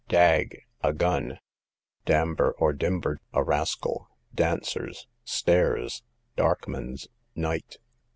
Dag, a gun. Damber, or Dimber, a rascal. Dancers, stairs. Darkmans, night.